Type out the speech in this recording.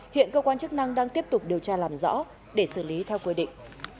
hiện cơ quan chức năng đang tiếp tục điều tra làm rõ để xử lý theo quy định